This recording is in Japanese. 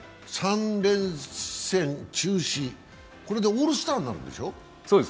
３連戦中止、これでオールスターになるんでしょ？